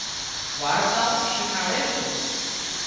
وارتائون شيکاڙي سي